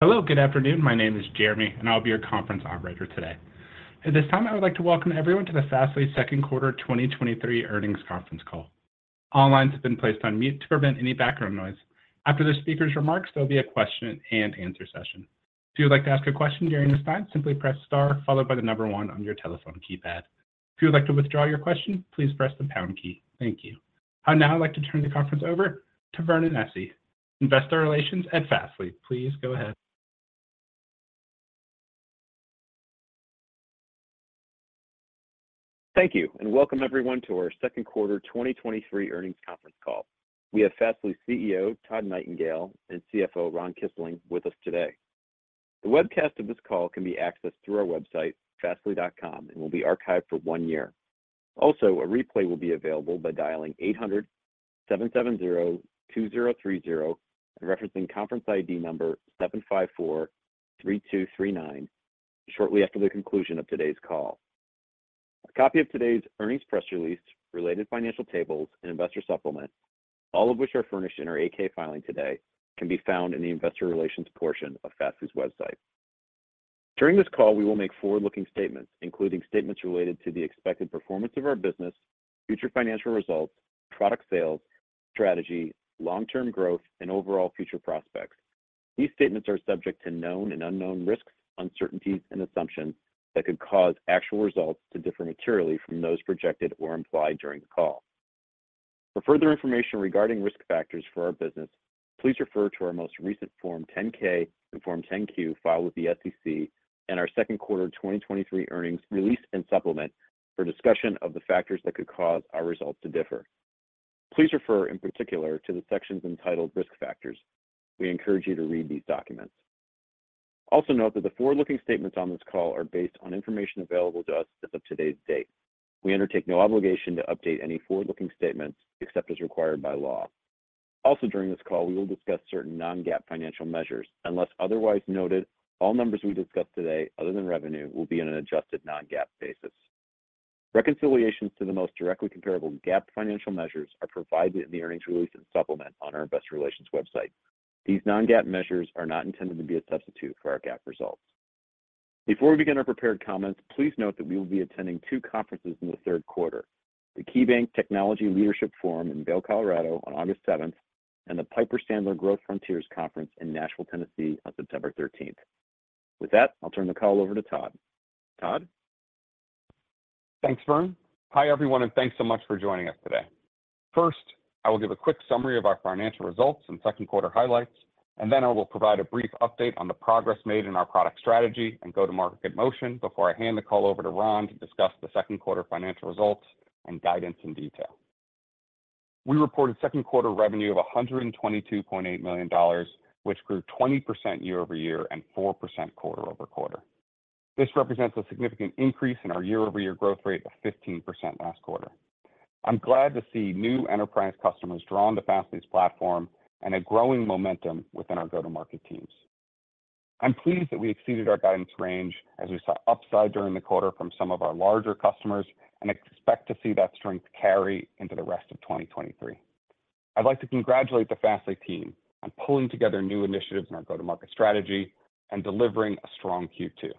Hello, good afternoon. My name is Jeremy. I'll be your conference Operator today. At this time, I would like to welcome everyone to the Fastly second quarter 2023 earnings conference call. All lines have been placed on mute to prevent any background noise. After the speaker's remarks, there'll be a question and answer session. If you would like to ask a question during this time, simply press star followed by one on your telephone keypad. If you would like to withdraw your question, please press the pound key. Thank you. I'd now like to turn the conference over to Vernon Essi, Investor Relations at Fastly. Please go ahead. Thank you, welcome everyone to our second quarter 2023 earnings conference call. We have Fastly CEO, Todd Nightingale, and CFO, Ron Kisling, with us today. The webcast of this call can be accessed through our website, fastly.com, and will be archived for one year. A replay will be available by dialing 800-770-2030, and referencing conference ID number 7543239, shortly after the conclusion of today's call. A copy of today's earnings press release, related financial tables, and investor supplement, all of which are furnished in our 8-K filing today, can be found in the investor relations portion of Fastly's website. During this call, we will make forward-looking statements, including statements related to the expected performance of our business, future financial results, product sales, strategy, long-term growth, and overall future prospects. These statements are subject to known and unknown risks, uncertainties, and assumptions that could cause actual results to differ materially from those projected or implied during the call. For further information regarding risk factors for our business, please refer to our most recent Form 10-K and Form 10-Q filed with the SEC and our second quarter 2023 earnings release and supplement for discussion of the factors that could cause our results to differ. Please refer in particular to the sections entitled Risk Factors. We encourage you to read these documents. Also, note that the forward-looking statements on this call are based on information available to us as of today's date. We undertake no obligation to update any forward-looking statements, except as required by law. Also, during this call, we will discuss certain Non-GAAP financial measures. Unless otherwise noted, all numbers we discuss today, other than revenue, will be in an adjusted Non-GAAP basis. Reconciliations to the most directly comparable GAAP financial measures are provided in the earnings release and supplement on our investor relations website. These Non-GAAP measures are not intended to be a substitute for our GAAP results. Before we begin our prepared comments, please note that we will be attending two conferences in the third quarter: the KeyBanc Technology Leadership Forum in Vail, Colorado, on August seventh, and the Piper Sandler Growth Frontiers Conference in Nashville, Tennessee, on September thirteenth. With that, I'll turn the call over to Todd. Todd? Thanks, Vernon. Hi, everyone, and thanks so much for joining us today. First, I will give a quick summary of our financial results and second quarter highlights, then I will provide a brief update on the progress made in our product strategy and go-to-market motion before I hand the call over to Ron to discuss the second quarter financial results and guidance in detail. We reported second quarter revenue of $122.8 million, which grew 20% year-over-year and 4% quarter-over-quarter. This represents a significant increase in our year-over-year growth rate of 15% last quarter. I'm glad to see new enterprise customers drawn to Fastly's platform and a growing momentum within our go-to-market teams. I'm pleased that we exceeded our guidance range as we saw upside during the quarter from some of our larger customers, and expect to see that strength carry into the rest of 2023. I'd like to congratulate the Fastly team on pulling together new initiatives in our go-to-market strategy and delivering a strong Q2.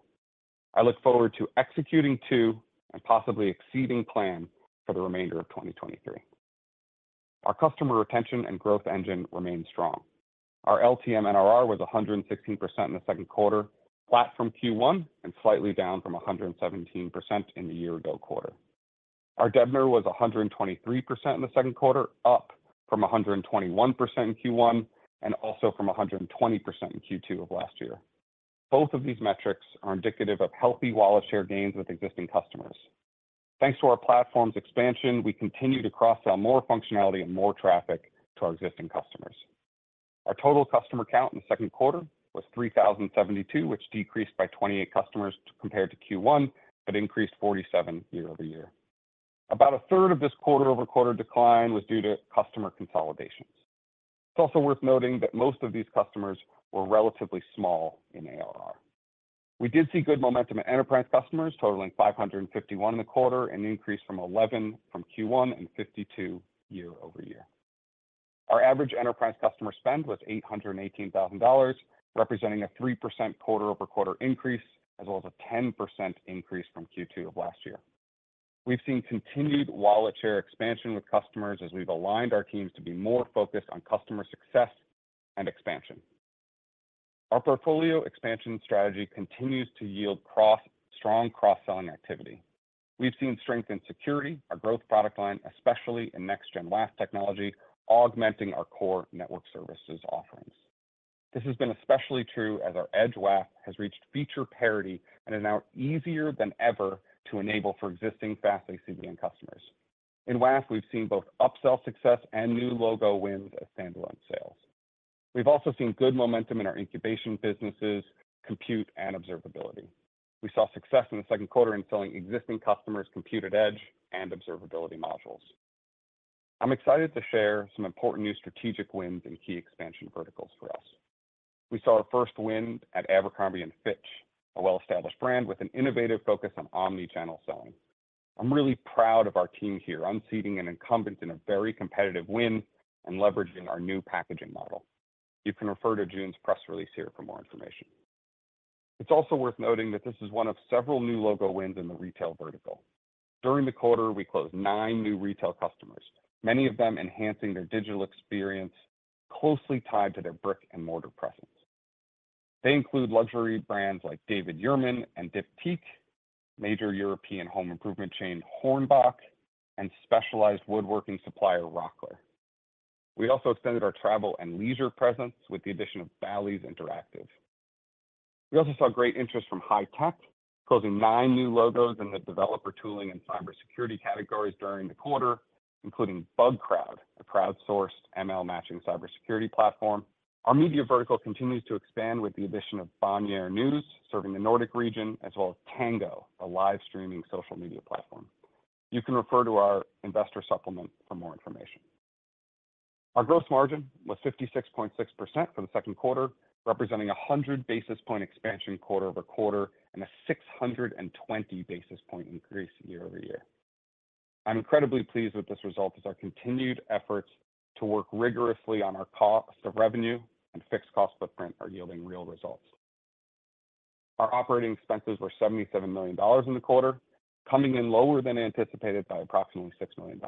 I look forward to executing to and possibly exceeding plan for the remainder of 2023. Our customer retention and growth engine remains strong. Our LTM NRR was 116% in the second quarter, flat from Q1 and slightly down from 117% in the year-ago quarter. Our DBNER was 123% in the second quarter, up from 121% in Q1, and also from 120% in Q2 of last year. Both of these metrics are indicative of healthy wallet share gains with existing customers. Thanks to our platform's expansion, we continue to cross out more functionality and more traffic to our existing customers. Our total customer count in the second quarter was 3,072, which decreased by 28 customers compared to Q1, but increased 47 year-over-year. About a third of this quarter-over-quarter decline was due to customer consolidations. It's also worth noting that most of these customers were relatively small in ARR. We did see good momentum in enterprise customers, totaling 551 in the quarter, an increase from 11 from Q1 and 52 year-over-year. Our average enterprise customer spend was $818,000, representing a 3% quarter-over-quarter increase, as well as a 10% increase from Q2 of last year. We've seen continued wallet share expansion with customers as we've aligned our teams to be more focused on customer success and expansion. Our portfolio expansion strategy continues to yield strong cross-selling activity. We've seen strength in security, our growth product line, especially in Next-Gen WAF technology, augmenting our core network services offerings. This has been especially true as our Edge WAF has reached feature parity and is now easier than ever to enable for existing Fastly CDN customers. In WAF, we've seen both upsell success and new logo wins as standalone sales. We've also seen good momentum in our incubation businesses, compute, and observability. We saw success in the second quarter in selling existing customers Compute@Edge and observability modules. I'm excited to share some important new strategic wins and key expansion verticals for us. We saw our first win at Abercrombie & Fitch, a well-established brand with an innovative focus on omni-channel selling. I'm really proud of our team here, unseating an incumbent in a very competitive win and leveraging our new packaging model. You can refer to June's press release here for more information. It's also worth noting that this is one of several new logo wins in the retail vertical. During the quarter, we closed nine new retail customers, many of them enhancing their digital experience closely tied to their brick-and-mortar presence. They include luxury brands like David Yurman and Diptyque, major European home improvement chain HORNBACH, and specialized woodworking supplier Rockler. We also extended our travel and leisure presence with the addition of Bally's Interactive. We also saw great interest from high tech, closing nine new logos in the developer tooling and cybersecurity categories during the quarter, including Bugcrowd, a crowdsourced ML matching cybersecurity platform. Our media vertical continues to expand with the addition of Bonnier News, serving the Nordic region, as well as Tango, a live streaming social media platform. You can refer to our investor supplement for more information. Our growth margin was 56.6% for the second quarter, representing a 100 basis point expansion quarter-over-quarter, and a 620 basis point increase year-over-year. I'm incredibly pleased with this result, as our continued efforts to work rigorously on our cost of revenue and fixed cost footprint are yielding real results. Our operating expenses were $77 million in the quarter, coming in lower than anticipated by approximately $6 million.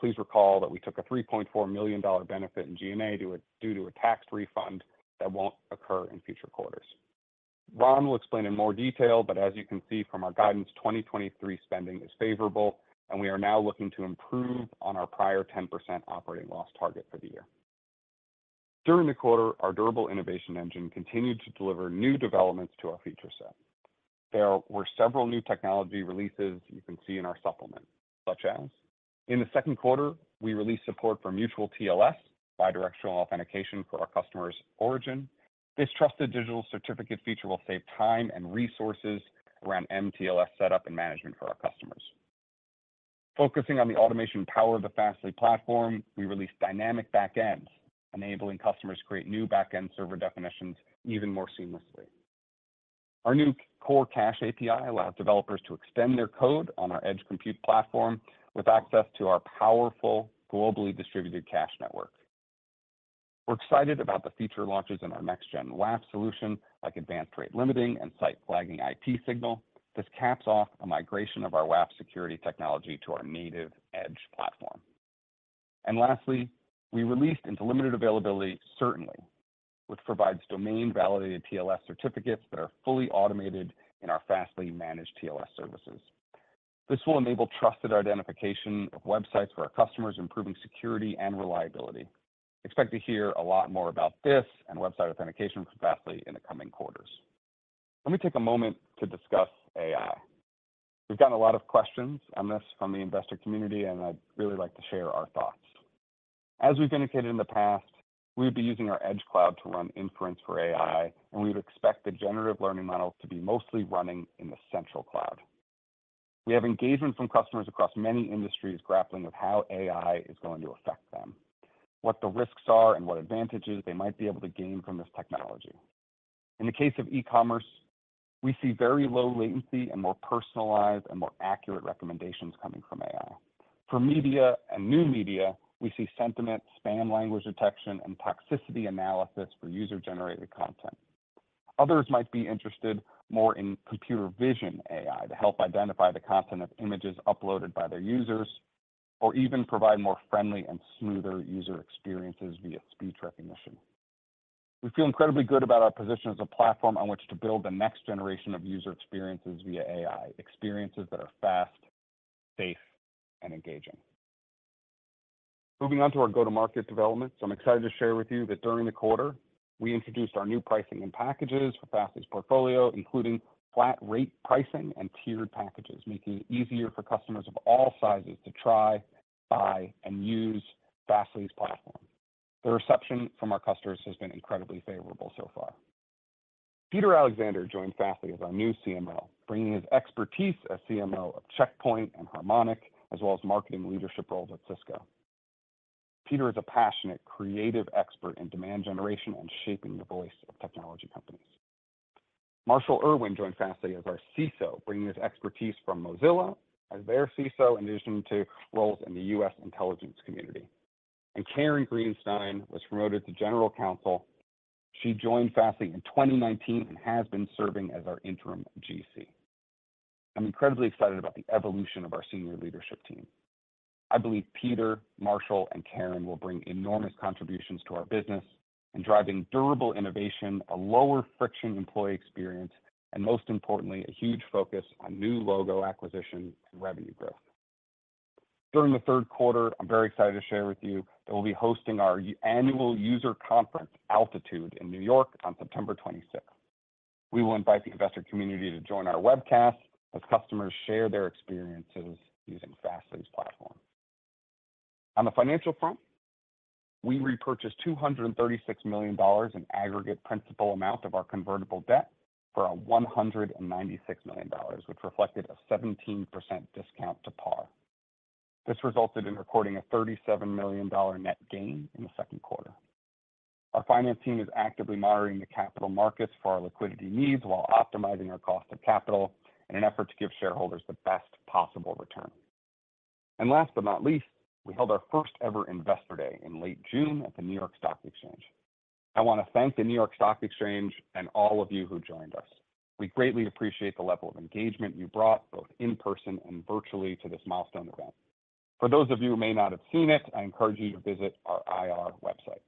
Please recall that we took a $3.4 million benefit in G&A due to a tax refund that won't occur in future quarters. Ron will explain in more detail, as you can see from our guidance, 2023 spending is favorable, and we are now looking to improve on our prior 10% operating loss target for the year. During the quarter, our durable innovation engine continued to deliver new developments to our feature set. There were several new technology releases you can see in our supplement, such as in the second quarter, we released support for mutual TLS, bidirectional authentication for our customers origin. This trusted digital certificate feature will save time and resources around mTLS setup and management for our customers. Focusing on the automation power of the Fastly platform, we released Dynamic Backends, enabling customers to create new backend server definitions even more seamlessly. Our new Core Cache API allows developers to extend their code on our edge compute platform, with access to our powerful, globally distributed cache network. We're excited about the feature launches in our Next-Gen WAF solution, like Advanced Rate Limiting and site flagging IP signal. This caps off a migration of our WAF security technology to our native edge platform. Lastly, we released into limited availability, certainly, which provides domain-validated TLS certificates that are fully automated in our Fastly managed TLS services. This will enable trusted identification of websites for our customers, improving security and reliability. Expect to hear a lot more about this and website authentication for Fastly in the coming quarters. Let me take a moment to discuss AI. We've gotten a lot of questions on this from the investor community, and I'd really like to share our thoughts. As we've indicated in the past, we'd be using our edge cloud to run inference for AI, and we'd expect the generative learning models to be mostly running in the central cloud. We have engagement from customers across many industries grappling with how AI is going to affect them, what the risks are, and what advantages they might be able to gain from this technology. In the case of e-commerce, we see very low latency and more personalized and more accurate recommendations coming from AI. For media and new media, we see sentiment, spam, language detection, and toxicity analysis for user-generated content. Others might be interested more in computer vision AI, to help identify the content of images uploaded by their users, or even provide more friendly and smoother user experiences via speech recognition. We feel incredibly good about our position as a platform on which to build the next generation of user experiences via AI, experiences that are fast, safe, and engaging. Moving on to our go-to-market developments. I'm excited to share with you that during the quarter, we introduced our new pricing and packages for Fastly's portfolio, including flat rate pricing and tiered packages, making it easier for customers of all sizes to try, buy, and use Fastly's platform. The reception from our customers has been incredibly favorable so far. Peter Alexander joined Fastly as our new CMO, bringing his expertise as CMO of Check Point and Harmonic, as well as marketing leadership roles at Cisco. Peter is a passionate, creative expert in demand generation and shaping the voice of technology companies. Marshall Erwin joined Fastly as our CISO, bringing his expertise from Mozilla as their CISO, in addition to roles in the U.S. Intelligence Community. Karen Greenstein was promoted to General Counsel. She joined Fastly in 2019 and has been serving as our Interim GC. I'm incredibly excited about the evolution of our Senior Leadership Team. I believe Peter, Marshall, and Karen will bring enormous contributions to our business in driving durable innovation, a lower friction employee experience, and most importantly, a huge focus on new logo acquisition and revenue growth. During the third quarter, I'm very excited to share with you that we'll be hosting our annual user conference, Altitude, in New York on September 26th. We will invite the investor community to join our webcast as customers share their experiences using Fastly's platform. On the financial front, we repurchased $236 million in aggregate principal amount of our convertible debt for a $196 million, which reflected a 17% discount to par. This resulted in recording a $37 million net gain in the 2Q. Our finance team is actively monitoring the capital markets for our liquidity needs while optimizing our cost of capital in an effort to give Shareholders the best possible return. Last but not least, we held our first-ever Investor Day in late June at the New York Stock Exchange. I want to thank the New York Stock Exchange and all of you who joined us. We greatly appreciate the level of engagement you brought, both in person and virtually, to this milestone event. For those of you who may not have seen it, I encourage you to visit our IR website.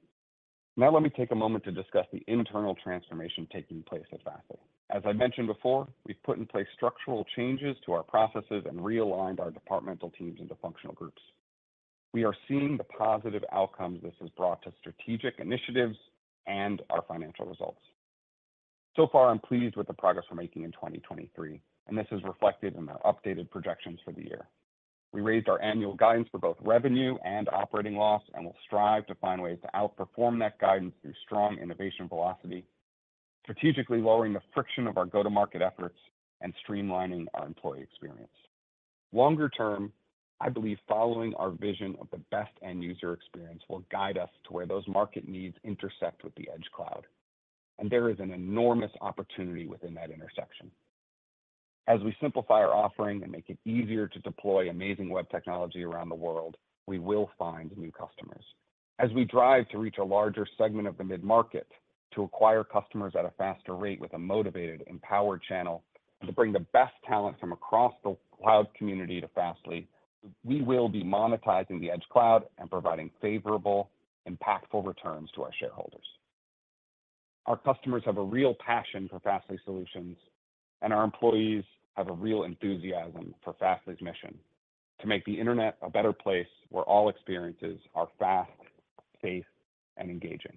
Let me take a moment to discuss the internal transformation taking place at Fastly. As I mentioned before, we've put in place structural changes to our processes and realigned our departmental teams into functional groups. We are seeing the positive outcomes this has brought to strategic initiatives and our financial results. I'm pleased with the progress we're making in 2023, and this is reflected in our updated projections for the year. We raised our annual guidance for both revenue and operating loss, and we'll strive to find ways to outperform that guidance through strong innovation velocity, strategically lowering the friction of our go-to-market efforts, and streamlining our employee experience. Longer term, I believe following our vision of the best end user experience will guide us to where those market needs intersect with the edge cloud, and there is an enormous opportunity within that intersection. As we simplify our offering and make it easier to deploy amazing web technology around the world, we will find new customers. As we drive to reach a larger segment of the mid-market, to acquire customers at a faster rate with a motivated, empowered channel, and to bring the best talent from across the cloud community to Fastly, we will be monetizing the edge cloud and providing favorable, impactful returns to our Shareholders. Our customers have a real passion for Fastly solutions, and our employees have a real enthusiasm for Fastly's mission: to make the internet a better place where all experiences are fast, safe, and engaging.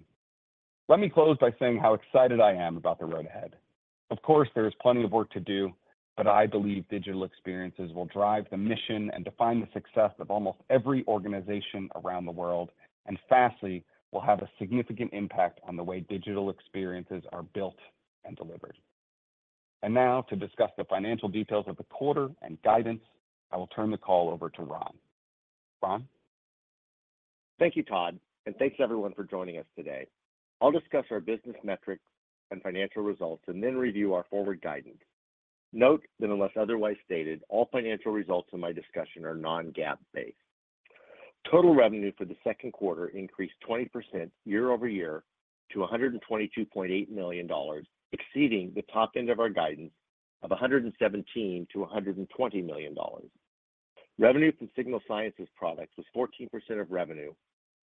Let me close by saying how excited I am about the road ahead. Of course, there is plenty of work to do, but I believe digital experiences will drive the mission and define the success of almost every organization around the world, Fastly will have a significant impact on the way digital experiences are built and delivered. Now, to discuss the financial details of the quarter and guidance, I will turn the call over to Ron. Ron? Thank you, Todd. Thanks, everyone, for joining us today. I'll discuss our business metrics and financial results and then review our forward guidance. Note that unless otherwise stated, all financial results in my discussion are Non-GAAP based. Total revenue for the second quarter increased 20% year-over-year to $122.8 million, exceeding the top end of our guidance of $117 million-$120 million. Revenue from Signal Sciences products was 14% of revenue,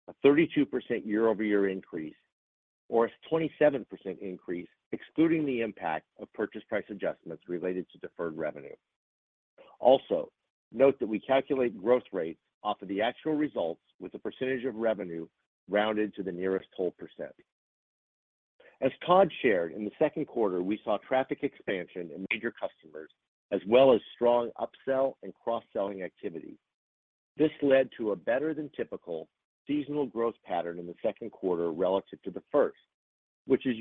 a 32% year-over-year increase, or a 27% increase, excluding the impact of purchase price adjustments related to deferred revenue. Also, note that we calculate growth rates off of the actual results, with the percentage of revenue rounded to the nearest whole percent. As Todd shared, in the 2nd quarter, we saw traffic expansion in major customers, as well as strong upsell and cross-selling activity. This led to a better than typical seasonal growth pattern in the second quarter relative to the first, which is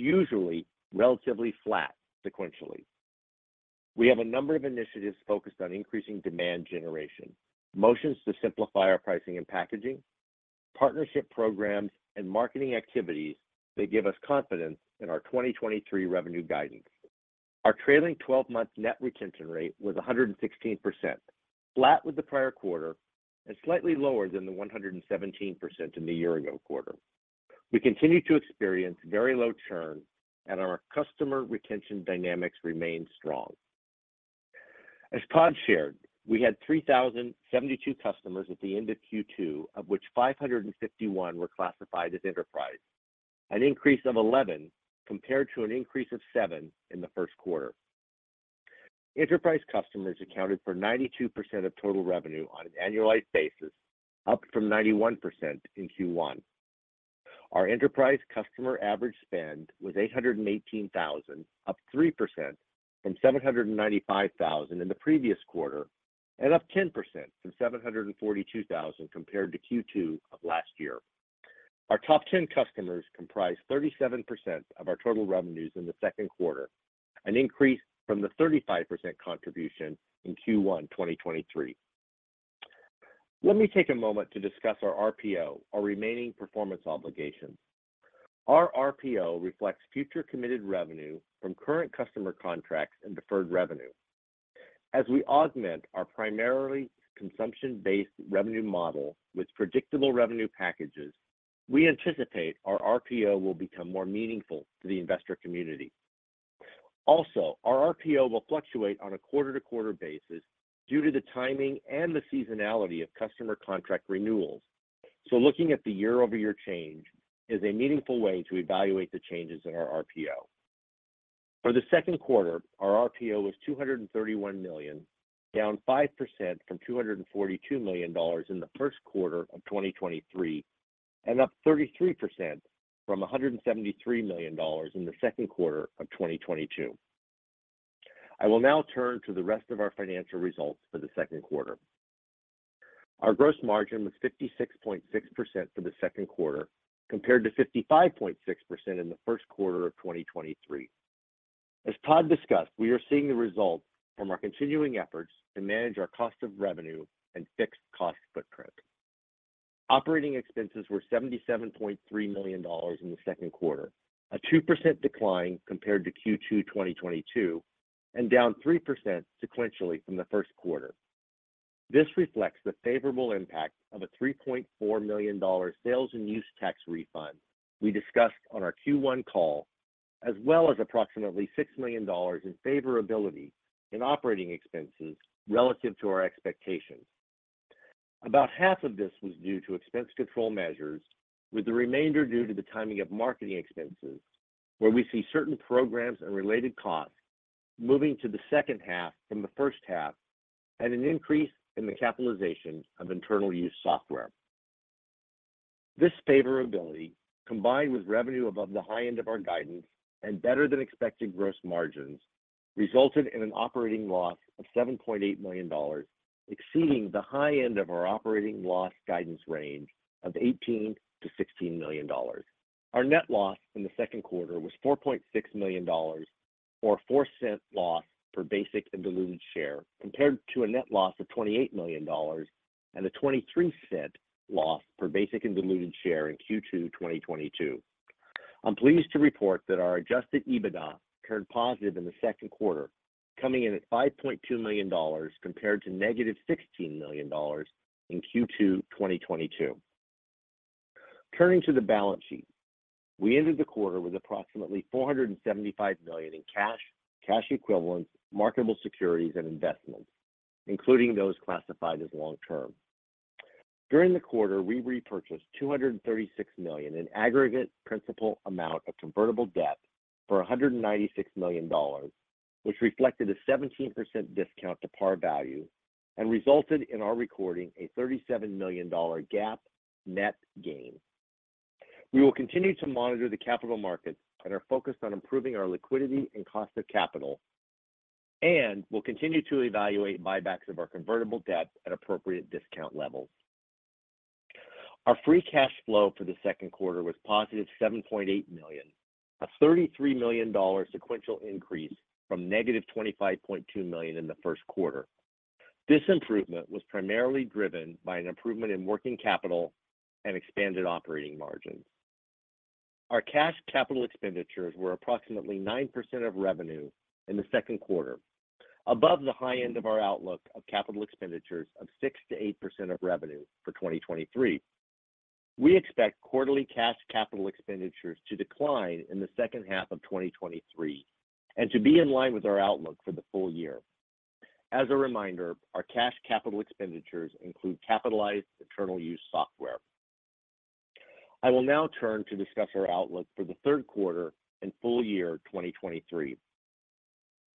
usually relatively flat sequentially. We have a number of initiatives focused on increasing demand generation, motions to simplify our pricing and packaging, partnership programs, and marketing activities that give us confidence in our 2023 revenue guidance. Our trailing twelve-month Net Retention Rate was 116%, flat with the prior quarter and slightly lower than the 117% in the year-ago quarter. We continue to experience very low churn, and our customer retention dynamics remain strong. As Todd shared, we had 3,072 customers at the end of Q2, of which 551 were classified as enterprise, an increase of 11 compared to an increase of seven in the Q1. Enterprise customers accounted for 92% of total revenue on an annualized basis, up from 91% in Q1. Our enterprise customer average spend was $818,000, up 3% from $795,000 in the previous quarter and up 10% from $742,000 compared to Q2 of last year. Our top 10 customers comprised 37% of our total revenues in the Q2, an increase from the 35% contribution in Q1 2023. Let me take a moment to discuss our RPO, our remaining performance obligations. Our RPO reflects future committed revenue from current customer contracts and deferred revenue. As we augment our primarily consumption-based revenue model with predictable revenue packages, we anticipate our RPO will become more meaningful to the investor community. Also, our RPO will fluctuate on a quarter-to-quarter basis due to the timing and the seasonality of customer contract renewals, so looking at the year-over-year change is a meaningful way to evaluate the changes in our RPO. For the second quarter, our RPO was $231 million, down 5% from $242 million in the first quarter of 2023, and up 33% from $173 million in the second quarter of 2022. I will now turn to the rest of our financial results for the second quarter. Our gross margin was 56.6% for the second quarter, compared to 55.6% in the first quarter of 2023. As Todd discussed, we are seeing the results from our continuing efforts to manage our cost of revenue and fixed cost footprint. Operating expenses were $77.3 million in the second quarter, a 2% decline compared to Q2 2022, and down 3% sequentially from the first quarter. This reflects the favorable impact of a $3.4 million sales and use tax refund we discussed on our Q1 call, as well as approximately $6 million in favorability in operating expenses relative to our expectations. About half of this was due to expense control measures, with the remainder due to the timing of marketing expenses, where we see certain programs and related costs moving to the second half from the first half, and an increase in the capitalization of internal use software. This favorability, combined with revenue above the high end of our guidance and better-than-expected gross margins, resulted in an operating loss of $7.8 million, exceeding the high end of our operating loss guidance range of $18 million-$16 million. Our net loss in the second quarter was $4.6 million, or $0.04 loss per basic and diluted share, compared to a net loss of $28 million and a $0.23 loss per basic and diluted share in Q2 2022. I'm pleased to report that our Adjusted EBITDA turned positive in the second quarter, coming in at $5.2 million, compared to negative $16 million in Q2 2022. Turning to the balance sheet, we ended the quarter with approximately $475 million in cash, cash equivalents, marketable securities, and investments, including those classified as long term. During the quarter, we repurchased $236 million in aggregate principal amount of convertible debt for $196 million, which reflected a 17% discount to par value and resulted in our recording a $37 million GAAP net gain. We will continue to monitor the capital markets and are focused on improving our liquidity and cost of capital, and we'll continue to evaluate buybacks of our convertible debt at appropriate discount levels. Our free cash flow for the second quarter was positive $7.8 million, a $33 million sequential increase from negative $25.2 million in the first quarter. This improvement was primarily driven by an improvement in working capital and expanded operating margins. Our cash capital expenditures were approximately 9% of revenue in the second quarter, above the high end of our outlook of capital expenditures of 6%-8% of revenue for 2023. We expect quarterly cash capital expenditures to decline in the second half of 2023 and to be in line with our outlook for the full year. As a reminder, our cash capital expenditures include capitalized internal use software. I will now turn to discuss our outlook for the third quarter and full year 2023.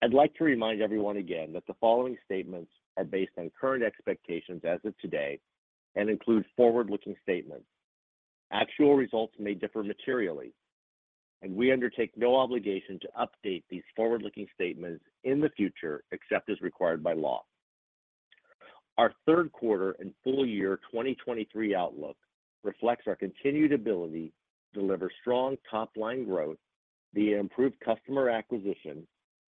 I'd like to remind everyone again that the following statements are based on current expectations as of today and include forward-looking statements. Actual results may differ materially, and we undertake no obligation to update these forward-looking statements in the future, except as required by law. Our third quarter and full year 2023 outlook reflects our continued ability to deliver strong top-line growth, via improved customer acquisition,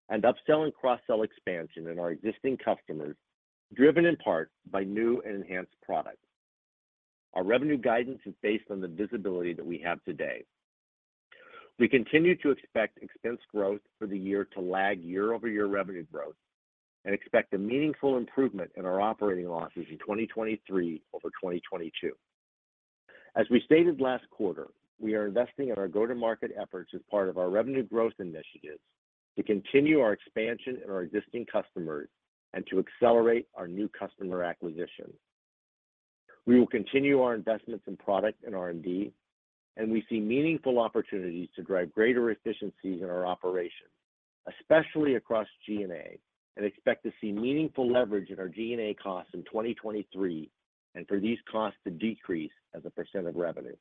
and upsell and cross-sell expansion in our existing customers, driven in part by new and enhanced products. Our revenue guidance is based on the visibility that we have today. We continue to expect expense growth for the year to lag year-over-year revenue growth and expect a meaningful improvement in our operating losses in 2023 over 2022. As we stated last quarter, we are investing in our go-to-market efforts as part of our revenue growth initiatives to continue our expansion in our existing customers and to accelerate our new customer acquisition. We will continue our investments in product and R&D. We see meaningful opportunities to drive greater efficiencies in our operations, especially across G&A, and expect to see meaningful leverage in our G&A costs in 2023, and for these costs to decrease as a % of revenue.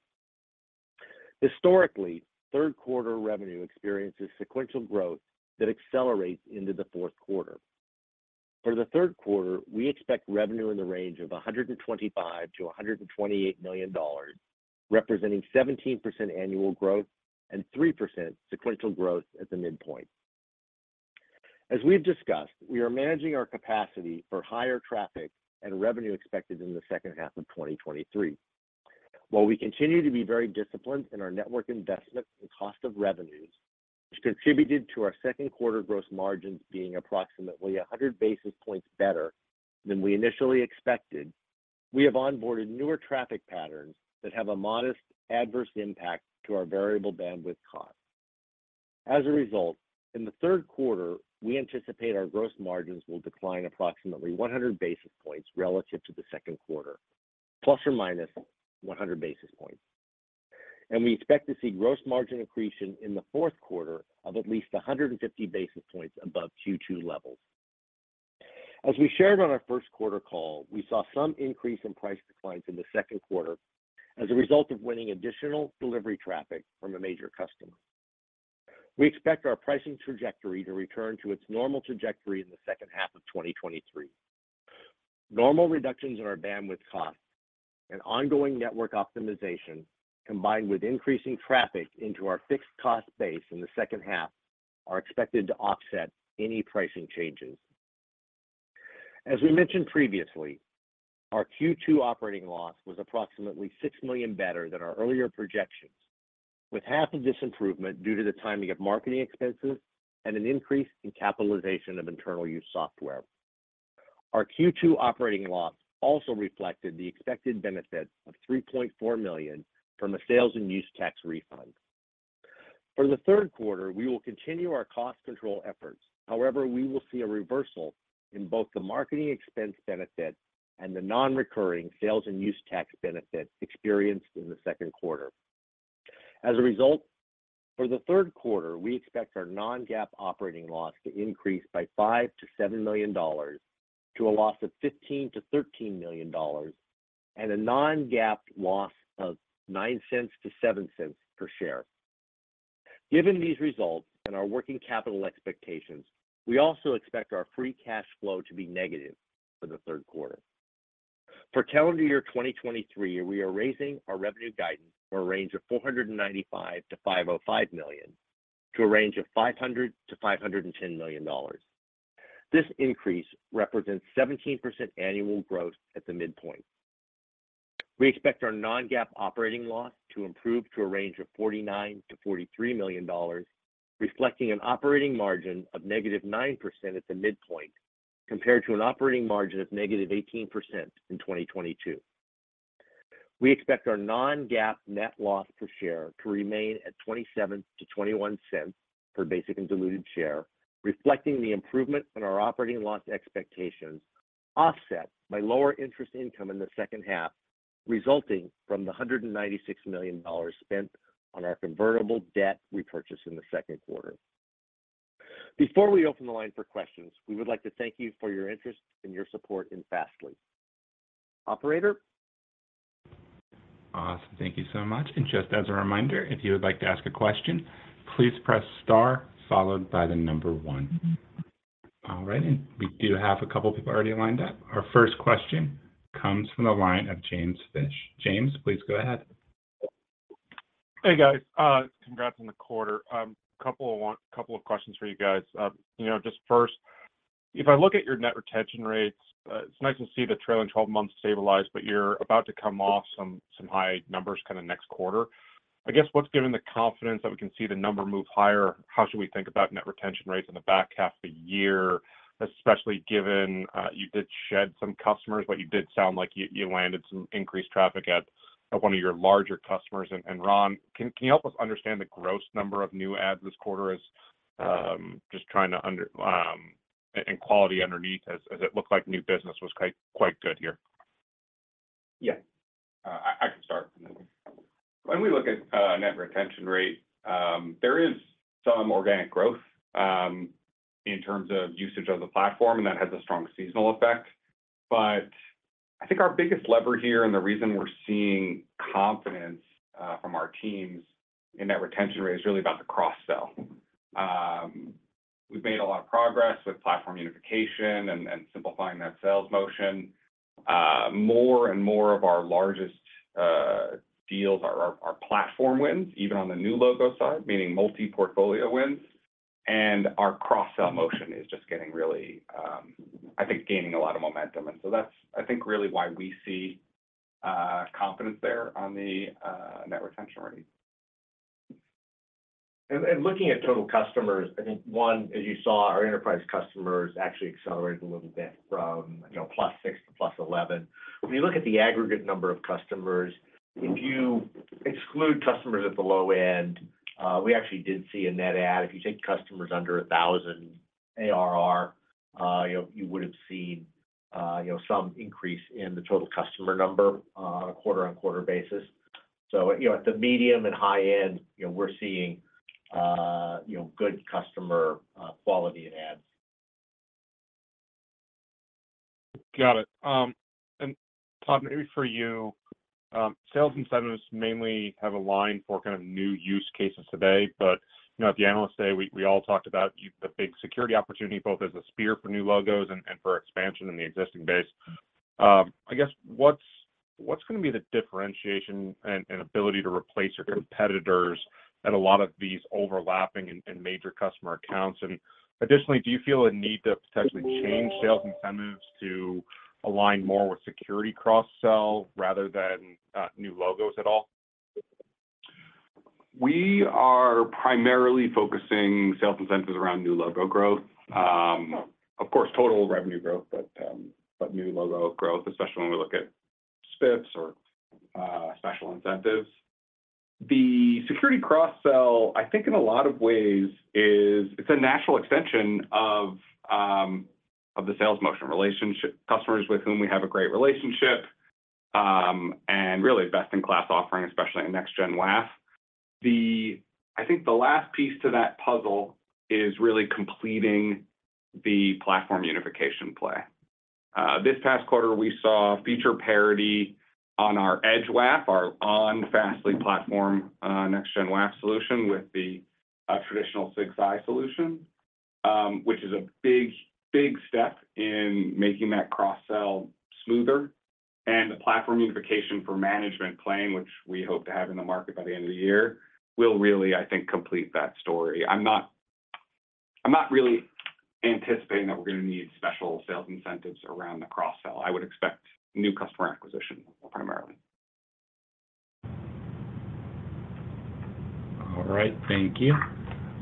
Historically, third quarter revenue experiences sequential growth that accelerates into the fourth quarter. For the third quarter, we expect revenue in the range of $125 million-$128 million, representing 17% annual growth and 3% sequential growth at the midpoint. As we've discussed, we are managing our capacity for higher traffic and revenue expected in the second half of 2023. While we continue to be very disciplined in our network investments and cost of revenues, which contributed to our second quarter gross margins being approximately 100 basis points better than we initially expected, we have onboarded newer traffic patterns that have a modest adverse impact to our variable bandwidth costs. As a result, in the third quarter, we anticipate our gross margins will decline approximately 100 basis points relative to the second quarter, ±100 basis points. We expect to see gross margin accretion in the fourth quarter of at least 150 basis points above Q2 levels. As we shared on our first quarter call, we saw some increase in price declines in the second quarter as a result of winning additional delivery traffic from a major customer.... We expect our pricing trajectory to return to its normal trajectory in the second half of 2023. Normal reductions in our bandwidth costs and ongoing network optimization, combined with increasing traffic into our fixed cost base in the second half, are expected to offset any pricing changes. As we mentioned previously, our Q2 operating loss was approximately $6 million better than our earlier projections, with half of this improvement due to the timing of marketing expenses and an increase in capitalization of internal use software. Our Q2 operating loss also reflected the expected benefit of $3.4 million from a sales and use tax refund. For the third quarter, we will continue our cost control efforts. We will see a reversal in both the marketing expense benefit and the non-recurring sales and use tax benefit experienced in the second quarter. As a result, for the third quarter, we expect our Non-GAAP operating loss to increase by $5 million-$7 million, to a loss of $15 million-$13 million and a Non-GAAP loss of $0.09-$0.07 per share. Given these results and our working capital expectations, we also expect our free cash flow to be negative for the third quarter. For calendar year 2023, we are raising our revenue guidance for a range of $495 million-$505 million, to a range of $500 million-$510 million. This increase represents 17% annual growth at the midpoint. We expect our Non-GAAP operating loss to improve to a range of $49 million-$43 million, reflecting an operating margin of -9% at the midpoint, compared to an operating margin of -18% in 2022. We expect our Non-GAAP net loss per share to remain at $0.27-$0.21 per basic and diluted share, reflecting the improvement in our operating loss expectations, offset by lower interest income in the second half, resulting from the $196 million spent on our convertible debt repurchase in the second quarter. Before we open the line for questions, we would like to thank you for your interest and your support in Fastly. Operator? Awesome. Thank you so much. Just as a reminder, if you would like to ask a question, please press star followed by one. All right, we do have a couple people already lined up. Our first question comes from the line of James Fish. James, please go ahead. Hey, guys, congrats on the quarter. A couple of questions for you guys. You know, just first, if I look at your net retention rates, it's nice to see the trailing 12 months stabilize, but you're about to come off some high numbers kind of next quarter. I guess, what's giving the confidence that we can see the number move higher? How should we think about net retention rates in the back half of the year, especially given you did shed some customers, but you did sound like you landed some increased traffic at one of your larger customers. Ron, can you help us understand the gross number of new adds this quarter as just trying to understand quality underneath as it looked like new business was quite good here? Yeah. I, I can start. When we look at net retention rate, there is some organic growth in terms of usage of the platform, and that has a strong seasonal effect. I think our biggest lever here, and the reason we're seeing confidence from our teams in that retention rate, is really about the cross-sell. We've made a lot of progress with platform unification and, and simplifying that sales motion. More and more of our largest deals are platform wins, even on the new logo side, meaning multi-portfolio wins, and our cross-sell motion is just getting really, I think, gaining a lot of momentum. So that's, I think, really why we see confidence there on the net retention rate. Looking at total customers, I think one, as you saw, our enterprise customers actually accelerated a little bit from, you know, +6 to +11. When you look at the aggregate number of customers, if you exclude customers at the low end, we actually did see a net add. If you take customers under 1,000 ARR, you know, you would have seen, you know, some increase in the total customer number on a quarter-on-quarter basis. You know, at the medium and high end, you know, we're seeing, you know, good customer, quality adds. Got it. Todd, maybe for you, sales incentives mainly have aligned for kind of new use cases today, but, you know, at the analyst day, we, we all talked about the big security opportunity, both as a spear for new logos and, and for expansion in the existing base. I guess, what's, what's gonna be the differentiation and, and ability to replace your competitors at a lot of these overlapping and, and major customer accounts? Additionally, do you feel a need to potentially change sales incentives to align more with security cross-sell rather than, new logos at all? We are primarily focusing sales incentives around new logo growth. Of course, total revenue growth, but new logo growth, especially when we look at spiffs or special incentives. The security cross-sell, I think in a lot of ways is, it's a natural extension of the sales motion relationship, customers with whom we have a great relationship, and really best-in-class offering, especially in Next-Gen WAF. The, I think the last piece to that puzzle is really completing the platform unification play. This past quarter, we saw feature parity on our Edge WAF, our on Fastly platform, Next-Gen WAF solution with the traditional SigSci solution, which is a big, big step in making that cross-sell smoother. The platform unification for management playing, which we hope to have in the market by the end of the year, will really, I think, complete that story. I'm not, I'm not really anticipating that we're gonna need special sales incentives around the cross-sell. I would expect new customer acquisition primarily. All right, thank you.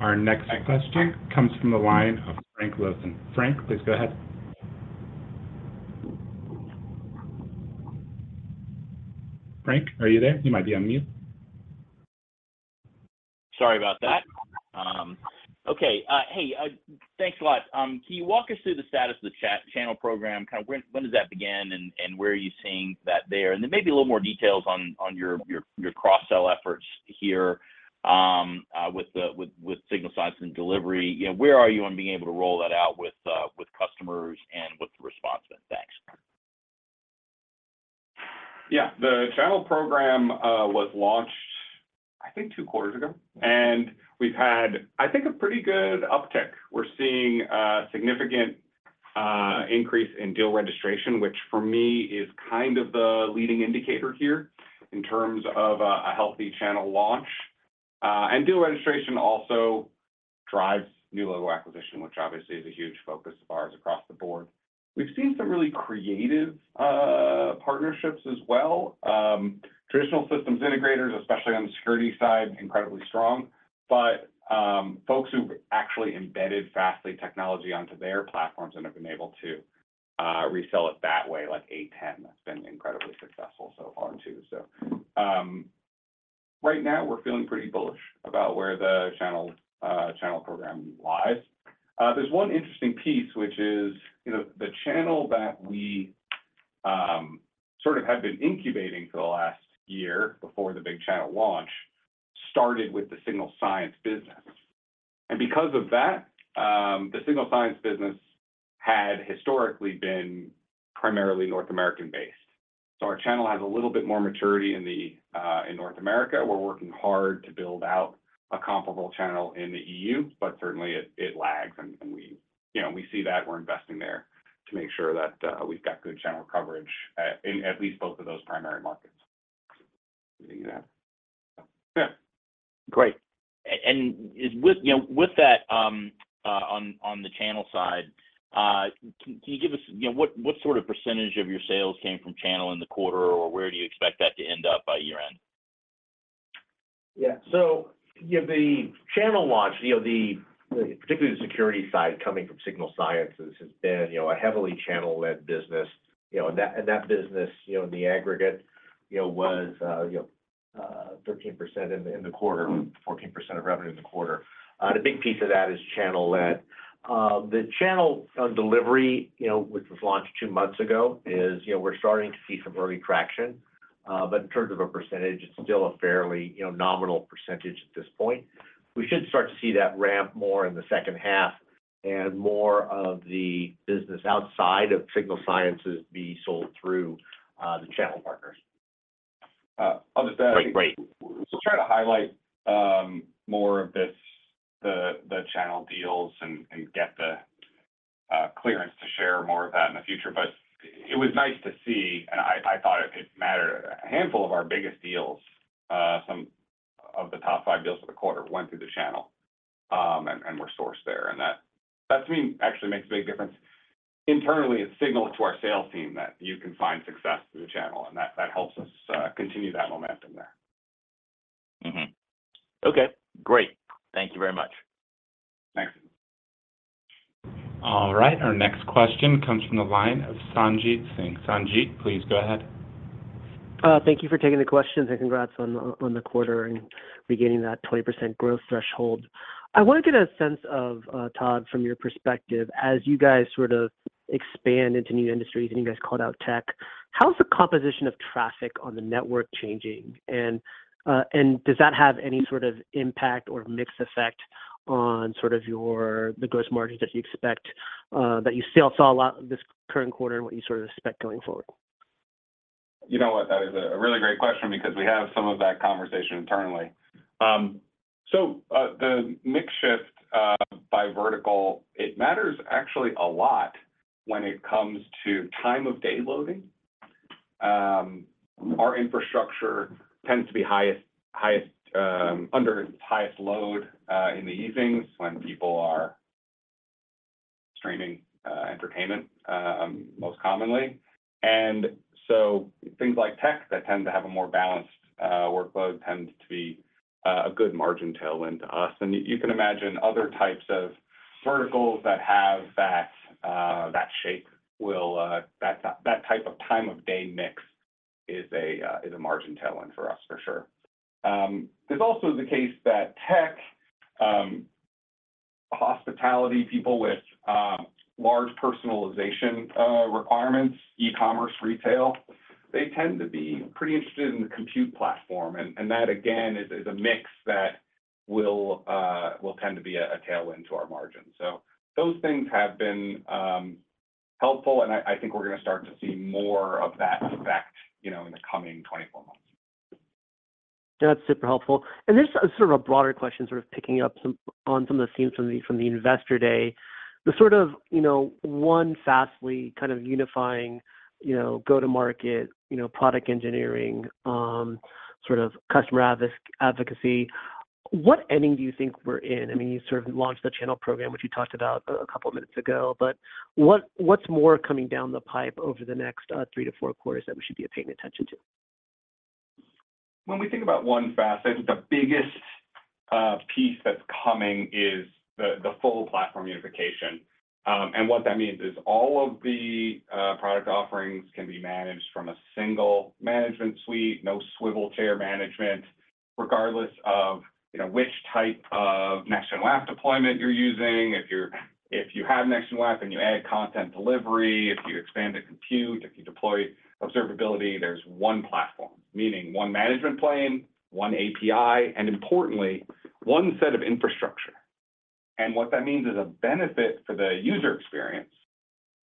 Our next question comes from the line of Frank Louthan. Frank, please go ahead. Frank, are you there? You might be on mute. Sorry about that. Okay, hey, thanks a lot. Can you walk us through the status of the chat- channel program? Kinda when, when does that begin, and, and where are you seeing that there? Then maybe a little more details on, on your, your, your cross-sell efforts here, with the, with, with Signal Sciences and delivery. You know, where are you on being able to roll that out with, with customers and what the response been? Thanks. Yeah. The channel program was launched, I think, two quarters ago, and we've had, I think, a pretty good uptick. We're seeing a significant increase in deal registration, which for me is kind of the leading indicator here in terms of a healthy channel launch. Deal registration also drives new logo acquisition, which obviously is a huge focus of ours across the board. We've seen some really creative partnerships as well. Traditional systems integrators, especially on the security side, incredibly strong, but folks who've actually embedded Fastly technology onto their platforms and have been able to resell it that way, like A10, that's been incredibly successful so far too. Right now we're feeling pretty bullish about where the channel channel program lies. There's one interesting piece, which is, you know, the channel that we sort of had been incubating for the last year before the big channel launch, started with the Signal Sciences business. Because of that, the Signal Sciences business had historically been primarily North American-based. Our channel has a little bit more maturity in the in North America. We're working hard to build out a comparable channel in the EU, but certainly it, it lags, and we, you know, we see that we're investing there to make sure that we've got good channel coverage at, in at least both of those primary markets. Anything to add? Yeah. Great. With, you know, with that, on the channel side, can you give us, you know, what sort of % of your sales came from channel in the quarter, or where do you expect that to end up by year-end? Yeah. Yeah, the channel launch, you know, the, particularly the security side coming from Signal Sciences, has been, you know, a heavily channel-led business, you know, and that, and that business, you know, in the aggregate, you know, was, you know, 13% in the quarter, 14% of revenue in the quarter. The big piece of that is channel led. The channel delivery, you know, which was launched 2 months ago, is, you know, we're starting to see some early traction. In terms of a percentage, it's still a fairly, you know, nominal percentage at this point. We should start to see that ramp more in the second half and more of the business outside of Signal Sciences be sold through the channel partners. I'll just add- Great, great. We'll try to highlight more of this, the, the channel deals and, and get the clearance to share more of that in the future. It was nice to see, and I, I thought it mattered, a handful of our biggest deals, some of the top five deals for the quarter went through the channel, and, and were sourced there. That, that to me, actually makes a big difference. Internally, it's signal to our sales team that you can find success through the channel, and that, that helps us continue that momentum there. Mm-hmm. Okay, great. Thank you very much. Thanks. All right, our next question comes from the line of Sanjit Singh. Sanjit, please go ahead. Thank you for taking the questions, and congrats on, on the quarter and regaining that 20% growth threshold. I want to get a sense of, Todd, from your perspective, as you guys sort of expand into new industries, and you guys called out tech, how's the composition of traffic on the network changing? Does that have any sort of impact or mixed effect on sort of your, the gross margins that you expect, that you still saw a lot this current quarter and what you sort of expect going forward? You know what? That is a, a really great question because we have some of that conversation internally. The mix shift by vertical, it matters actually a lot when it comes to time of day loading. Our infrastructure tends to be highest, highest, under its highest load, in the evenings, when people are streaming entertainment, most commonly. Things like tech that tend to have a more balanced workload tends to be a good margin tailwind to us. You, you can imagine other types of verticals that have that, that shape will, that type of time of day mix is a margin tailwind for us, for sure. There's also the case that tech, hospitality, people with... large personalization, requirements, e-commerce, retail, they tend to be pretty interested in the compute platform. That, again, is, is a mix that will tend to be a, a tailwind to our margin. Those things have been helpful, and I, I think we're going to start to see more of that effect, you know, in the coming 24 months. That's super helpful. This is sort of a broader question, sort of picking up some, on some of the themes from the, from the Investor Day. The sort of, you know, one Fastly kind of unifying, you know, go-to-market, you know, product engineering, sort of customer advocacy. What inning do you think we're in? I mean, you sort of launched the channel program, which you talked about a couple of minutes ago, but what, what's more coming down the pipe over the next three to four quarters that we should be paying attention to? When we think about one Fast, I think the biggest piece that's coming is the, the full platform unification. What that means is all of the product offerings can be managed from a single management suite, no swivel chair management, regardless of, you know, which type of Next-Gen WAF deployment you're using. If you're, if you have Next-Gen WAF, and you add content delivery, if you expand to compute, if you deploy observability, there's one platform, meaning one management plane, one API, and importantly, one set of infrastructure. What that means is a benefit for the user experience,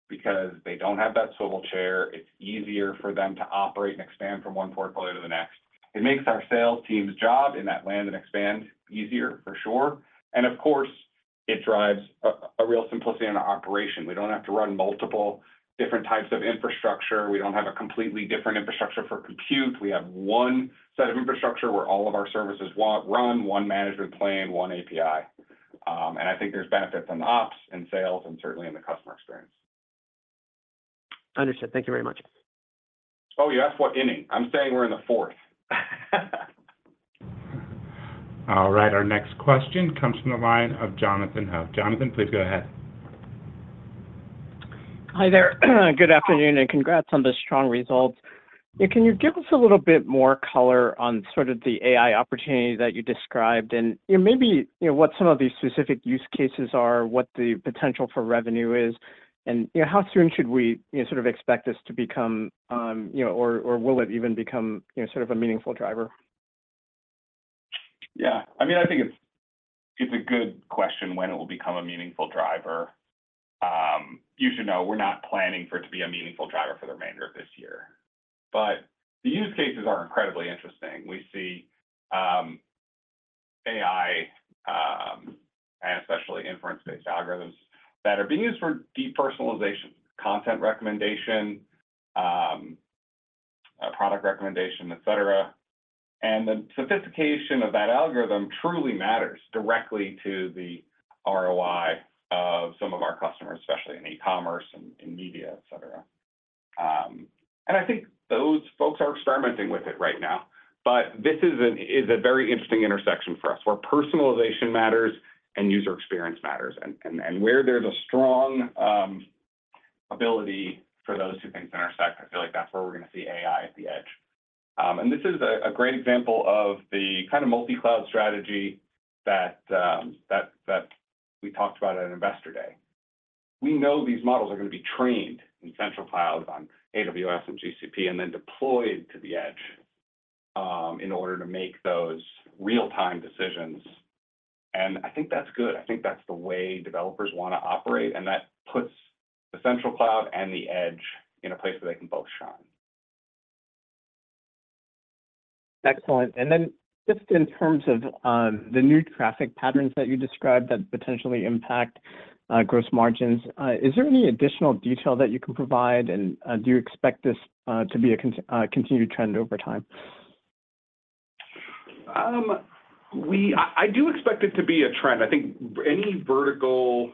because they don't have that swivel chair. It's easier for them to operate and expand from one portfolio to the next. It makes our sales team's job in that land and expand easier for sure, and of course, it drives a real simplicity on our operation. We don't have to run multiple different types of infrastructure. We don't have a completely different infrastructure for compute. We have one set of infrastructure where all of our services run, one management plan, one API. I think there's benefits in the ops and sales, and certainly in the customer experience. Understood. Thank you very much. Oh, you asked what inning. I'm saying we're in the fourth. All right, our next question comes from the line of Jonathan Ho. Jonathan, please go ahead. Hi there. Good afternoon, and congrats on the strong results. Can you give us a little bit more color on sort of the AI opportunity that you described? You know, maybe, you know, what some of these specific use cases are, what the potential for revenue is, and, you know, how soon should we, you know, sort of expect this to become, you know, or, or will it even become, you know, sort of a meaningful driver? Yeah. I mean, I think it's, it's a good question when it will become a meaningful driver. You should know we're not planning for it to be a meaningful driver for the remainder of this year. The use cases are incredibly interesting. We see AI, and especially inference-based algorithms that are being used for depersonalization, content recommendation, product recommendation, et cetera. The sophistication of that algorithm truly matters directly to the ROI of some of our customers, especially in e-commerce and in media, et cetera. And I think those folks are experimenting with it right now. This is an, is a very interesting intersection for us, where personalization matters and user experience matters, and, and, and where there's a strong ability for those two things to intersect. I feel like that's where we're going to see AI at the edge. This is a great example of the kind of multi-cloud strategy that, that we talked about at Investor Day. We know these models are going to be trained in central clouds on AWS and GCP, and then deployed to the edge, in order to make those real-time decisions. I think that's good. I think that's the way developers want to operate, and that puts the central cloud and the edge in a place where they can both shine. Excellent. Then just in terms of the new traffic patterns that you described that potentially impact gross margins, is there any additional detail that you can provide, and do you expect this to be a continued trend over time? We... I, I do expect it to be a trend. I think any vertical,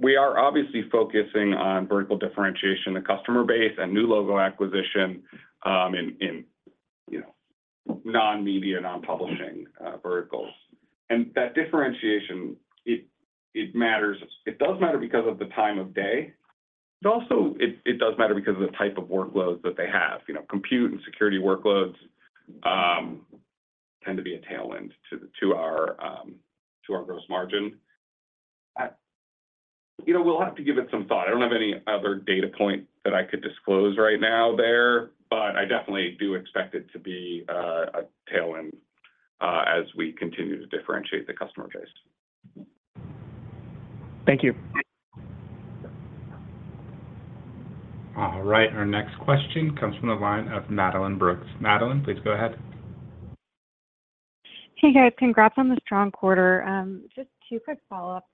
we are obviously focusing on vertical differentiation, the customer base, and new logo acquisition, in, you know, Non-media, Non-publishing, verticals. That differentiation, it matters. It does matter because of the time of day, but also it does matter because of the type of workloads that they have. You know, compute and security workloads, tend to be a tailwind to our gross margin. You know, we'll have to give it some thought. I don't have any other data point that I could disclose right now there, but I definitely do expect it to be a tailwind as we continue to differentiate the customer base. Thank you. All right, our next question comes from the line of Madeline Brooks. Madeline, please go ahead. Hey, guys. Congrats on the strong quarter. Just two quick follow-ups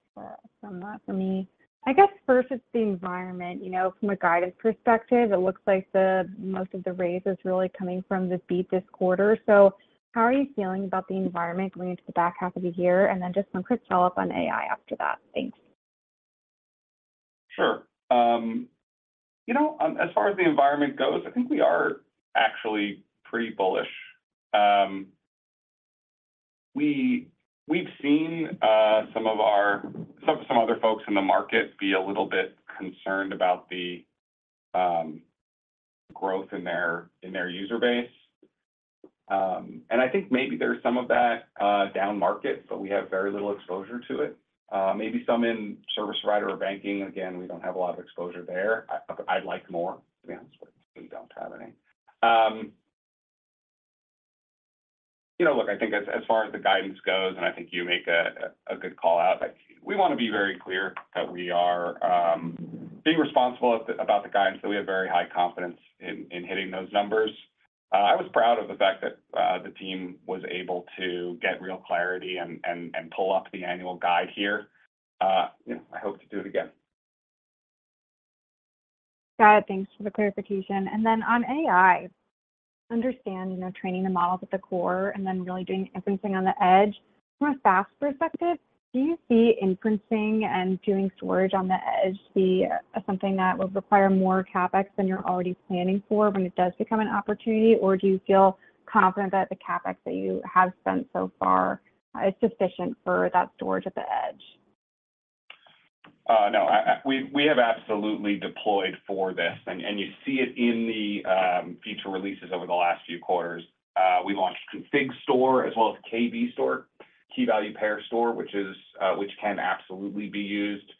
on that for me. I guess first, it's the environment. You know, from a guidance perspective, it looks like the most of the raise is really coming from the beat this quarter. How are you feeling about the environment going into the back half of the year? Just one quick follow-up on AI after that. Thanks. Sure. You know, as far as the environment goes, I think we are actually pretty bullish. We've seen some other folks in the market be a little bit concerned about the growth in their user base. I think maybe there's some of that down market, but we have very little exposure to it. Maybe some in service provider or banking. Again, we don't have a lot of exposure there. I'd like more, to be honest, but we don't have any. You know, look, I think as far as the guidance goes, I think you make a good call-out, but we want to be very clear that we are being responsible about the guidance, that we have very high confidence in hitting those numbers. I was proud of the fact that the Team was able to get real clarity and, and, and pull up the annual guide here. You know, I hope to do it again. Got it. Thanks for the clarification. On AI, understand, you know, training the models at the core and then really doing inferencing on the edge. From a Fastly perspective, do you see inferencing and doing storage on the edge be something that would require more CapEx than you're already planning for when it does become an opportunity? Do you feel confident that the CapEx that you have spent so far is sufficient for that storage at the edge? No, I, I-- we, we have absolutely deployed for this, and, and you see it in the feature releases over the last few quarters. We launched Config Store as well as KV Store, key-value-pair store, which is-- which can absolutely be used,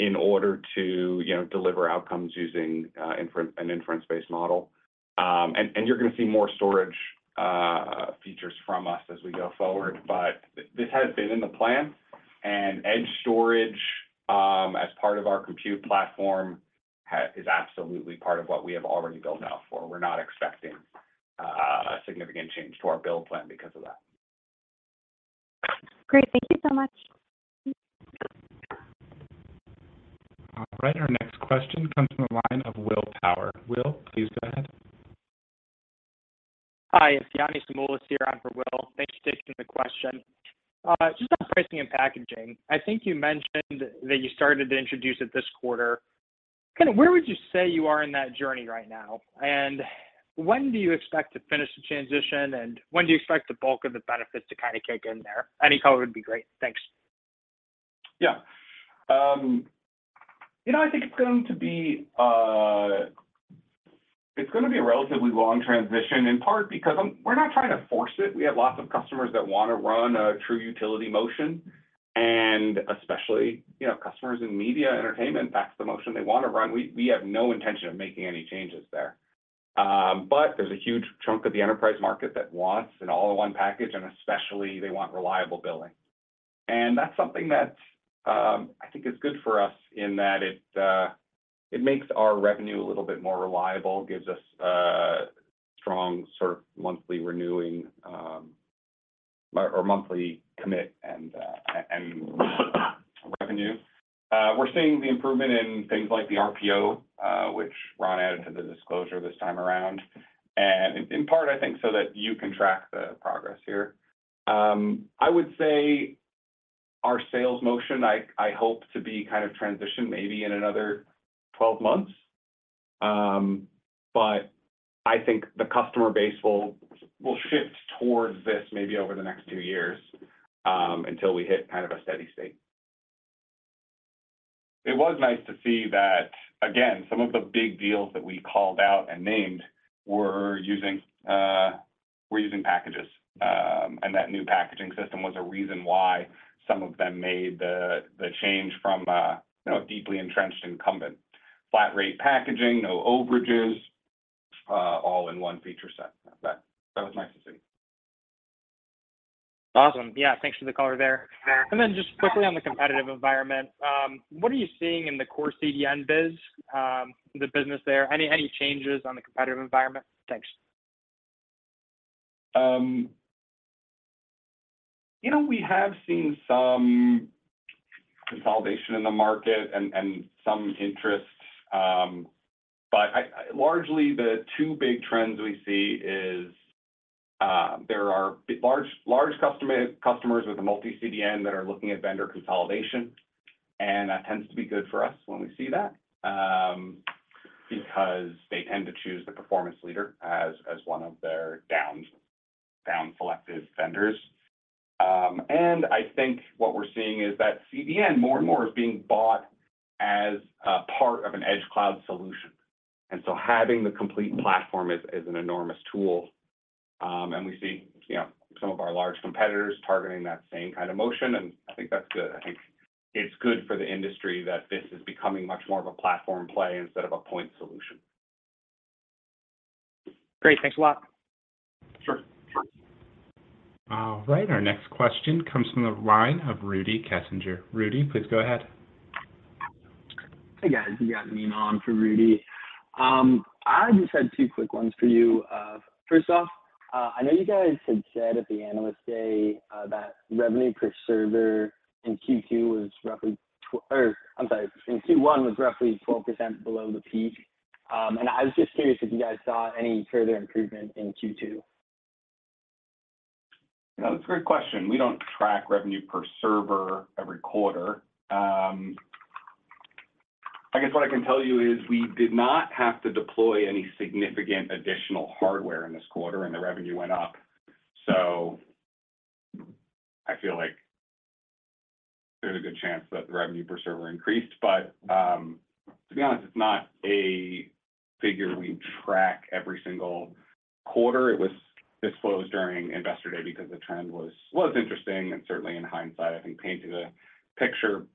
in order to, you know, deliver outcomes using inference, an inference-based model. You're going to see more storage features from us as we go forward, but this has been in the plan, and edge storage, as part of our compute platform, ha-- is absolutely part of what we have already built out for. We're not expecting a significant change to our build plan because of that. Great. Thank you so much. All right, our next question comes from the line of Will Tower. Will, please go ahead. Hi, it's Yanni Simoulas here on for Will. Thanks for taking the question. Just on pricing and packaging, I think you mentioned that you started to introduce it this quarter. Kind of where would you say you are in that journey right now? When do you expect to finish the transition, and when do you expect the bulk of the benefits to kind of kick in there? Any color would be great. Thanks. Yeah. You know, I think it's going to be a relatively long transition, in part because we're not trying to force it. We have lots of customers that want to run a true utility motion, and especially, you know, customers in media, entertainment, that's the motion they want to run. We, we have no intention of making any changes there. There's a huge chunk of the enterprise market that wants an all-in-one package, and especially they want reliable billing. That's something that I think is good for us in that it makes our revenue a little bit more reliable, gives us strong sort of monthly renewing, or monthly commit revenue. We're seeing the improvement in things like the RPO, which Ron Kisling added to the disclosure this time around, in part, I think so that you can track the progress here. I would say our sales motion, I, I hope to be kind of transitioned maybe in another 12 months. I think the customer base will, will shift towards this maybe over the next two years, until we hit kind of a steady state. It was nice to see that, again, some of the big deals that we called out and named were using, were using packages. That new packaging system was a reason why some of them made the, the change from, you know, a deeply entrenched incumbent. Flat rate packaging, no overages, all in one feature set. That, that was nice to see. Awesome. Yeah, thanks for the color there. Just quickly on the competitive environment, what are you seeing in the core CDN biz, the business there? Any, any changes on the competitive environment? Thanks. You know, we have seen some consolidation in the market and, and some interest, but largely, the two big trends we see is, there are large, large customer, customers with a multi CDN that are looking at vendor consolidation, and that tends to be good for us when we see that, because they tend to choose the performance leader as, as one of their down, down selective vendors. I think what we're seeing is that CDN, more and more, is being bought as a part of an edge cloud solution, and so having the complete platform is, is an enormous tool. We see, you know, some of our large competitors targeting that same kind of motion, and I think that's good. I think it's good for the industry that this is becoming much more of a platform play instead of a point solution. Great. Thanks a lot. Sure. All right, our next question comes from the line of Rudy Kessinger. Rudy, please go ahead. Hey, guys. You got me on for Rudy. I just had two quick ones for you. First off, I know you guys had said at the Analyst Day, that revenue per server in Q2 was roughly or I'm sorry, in Q1 was roughly 12% below the peak. I was just curious if you guys saw any further improvement in Q2. That's a great question. We don't track revenue per server every quarter. I guess what I can tell you is we did not have to deploy any significant additional hardware in this quarter, and the revenue went up. I feel like there's a good chance that the revenue per server increased. To be honest, it's not a figure we track every single quarter. It was disclosed during Investor Day because the trend was, was interesting, and certainly, in hindsight, I think painted a picture.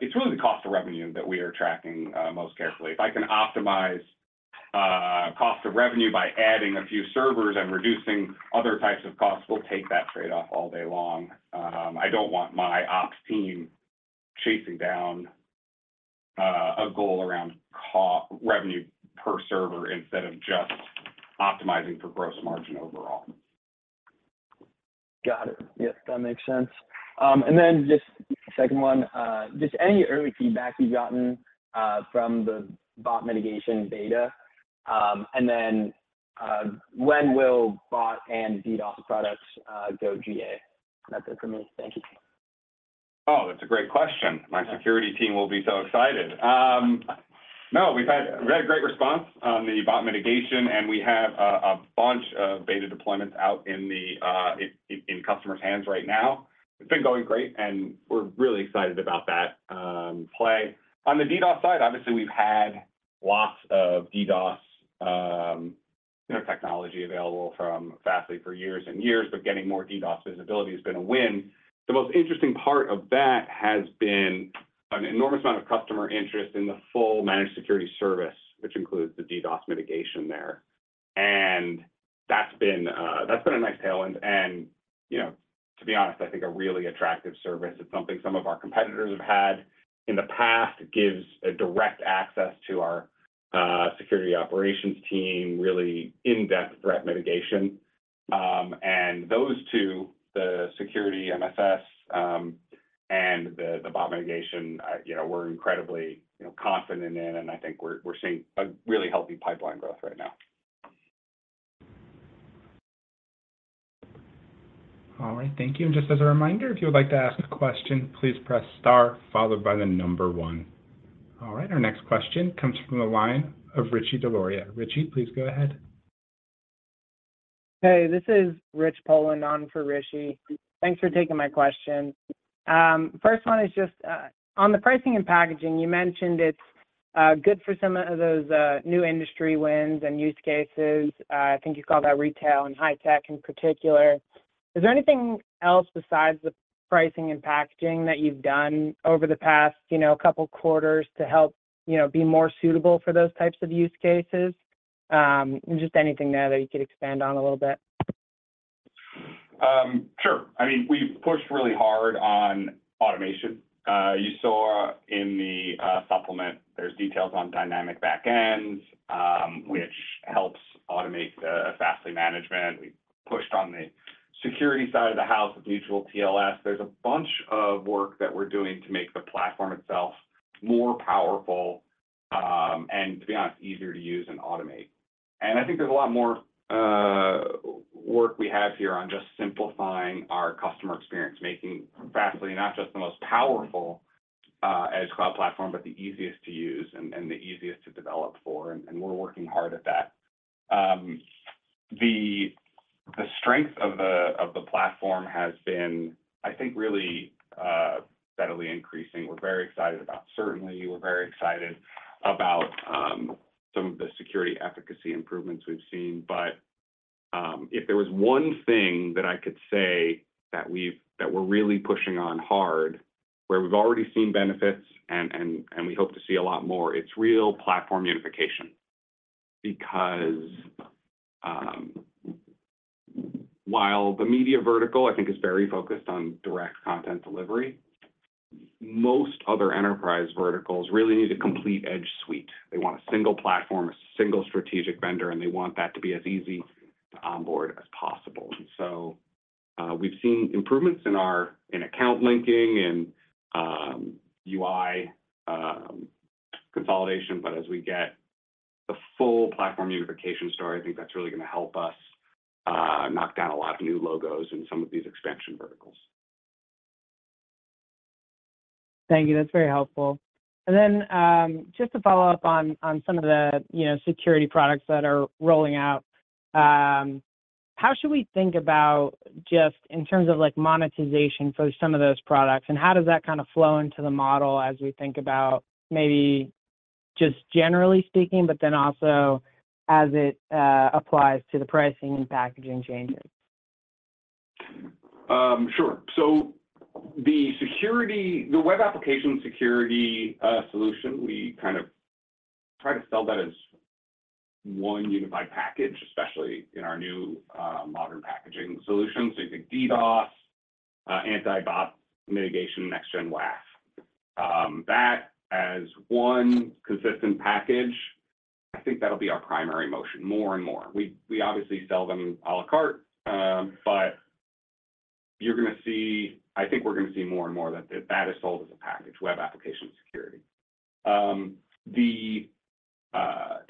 It's really the cost of revenue that we are tracking most carefully. If I can optimize, cost of revenue by adding a few servers and reducing other types of costs, we'll take that trade-off all day long. I don't want my Ops Team chasing down, a goal around cost of revenue per server instead of just optimizing for gross margin overall. Got it. Yep, that makes sense. Then just second one, just any early feedback you've gotten from the bot mitigation beta? Then, when will bot and DDoS products go GA? That's it for me. Thank you. Oh, that's a great question. My security team will be so excited. No, we've had a great response on the bot mitigation, and we have a bunch of beta deployments out in the customer's hands right now. It's been going great, and we're really excited about that play. On the DDoS side, obviously, we've had lots of DDoS, you know, technology available from Fastly for years and years, but getting more DDoS visibility has been a win. The most interesting part of that has been an enormous amount of customer interest in the full managed security service, which includes the DDoS mitigation there, and that's been, that's been a nice tailwind. You know, to be honest, I think a really attractive service. It's something some of our competitors have had in the past. It gives a direct access to our security operations team, really in-depth threat mitigation. Those two, the security MSS, and the bot mitigation, you know, we're incredibly, you know, confident in, and I think we're seeing a really healthy pipeline growth right now. All right, thank you. Just as a reminder, if you would like to ask a question, please press star followed by one. All right, our next question comes from the line of Rishi Jaluria. Rishi, please go ahead. Hey, this is Rich Polland on for Rishi. Thanks for taking my question. First one is just on the pricing and packaging, you mentioned it's good for some of those new industry wins and use cases. I think you called out retail and high tech in particular. Is there anything else besides the pricing and packaging that you've done over the past, you know, two quarters to help, you know, be more suitable for those types of use cases? Just anything there that you could expand on a little bit. Sure. I mean, we've pushed really hard on automation. You saw in the supplement there's details on Dynamic Backends, which helps automate Fastly management. We've pushed on the security side of the house with mutual TLS. There's a bunch of work that we're doing to make the platform itself more powerful, and to be honest, easier to use and automate. I think there's a lot more work we have here on just simplifying our customer experience, making Fastly not just the most powerful as cloud platform, but the easiest to use and, and the easiest to develop for, and, and we're working hard at that. The, the strength of the, of the platform has been, I think, really steadily increasing. We're very excited about. certainly, we're very excited about some of the security efficacy improvements we've seen. If there was one thing that I could say that we're really pushing on hard, where we've already seen benefits, and, and, and we hope to see a lot more, it's real platform unification. While the media vertical, I think, is very focused on direct content delivery, most other enterprise verticals really need a complete edge suite. They want a single platform, a single strategic vendor, and they want that to be as easy to onboard as possible. We've seen improvements in our in-account linking and UI consolidation, but as we get the full platform unification story, I think that's really gonna help us knock down a lot of new logos in some of these expansion verticals. Thank you. That's very helpful. Just to follow up on, on some of the, you know, security products that are rolling out, how should we think about just in terms of, like, monetization for some of those products, and how does that kind of flow into the model as we think about maybe just generally speaking, but then also as it applies to the pricing and packaging changes? Sure. The security, the web application security solution, we kind of try to sell that as one unified package, especially in our new modern packaging solution. You think DDoS, anti-bot mitigation, Next-Gen WAF. That as one consistent package, I think that'll be our primary motion more and more. We, we obviously sell them à la carte, but you're gonna see, I think we're gonna see more and more that, that is sold as a package, web application security. The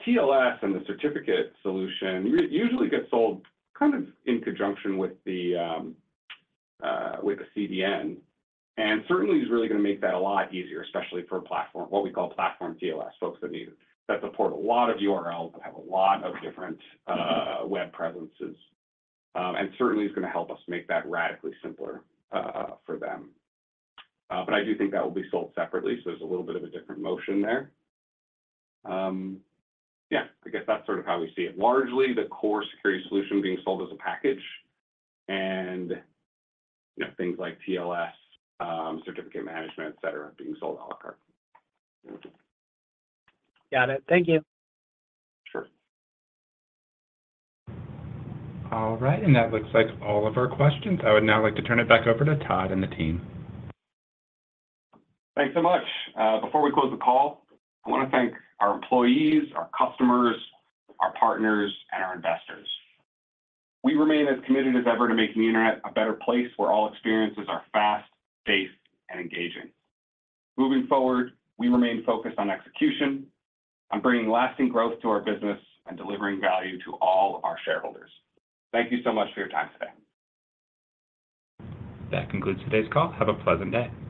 TLS and the certificate solution usually gets sold kind of in conjunction with the CDN, and certainly is really gonna make that a lot easier, especially for platform, what we call Platform TLS. Folks that need, that support a lot of URLs and have a lot of different web presences. Certainly is gonna help us make that radically simpler, for them. I do think that will be sold separately, so there's a little bit of a different motion there. Yeah, I guess that's sort of how we see it. Largely, the core security solution being sold as a package and, you know, things like TLS, certificate management, et cetera, being sold à la carte. Got it. Thank you. Sure. All right, that looks like all of our questions. I would now like to turn it back over to Todd and the team. Thanks so much. Before we close the call, I want to thank our employees, our customers, our partners, and our investors. We remain as committed as ever to making the internet a better place where all experiences are fast, safe, and engaging. Moving forward, we remain focused on execution, on bringing lasting growth to our business, and delivering value to all our Shareholders. Thank you so much for your time today. That concludes today's call. Have a pleasant day.